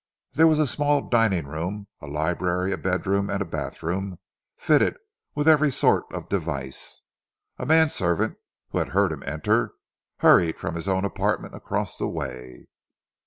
There was a small dining room, a library, a bedroom, and a bathroom fitted with every sort of device. A man servant who had heard him enter, hurried from his own apartment across the way.